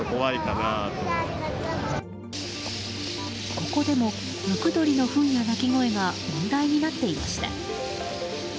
ここでもムクドリのふんや鳴き声が問題になっていました。